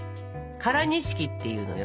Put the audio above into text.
「唐錦」っていうのよ。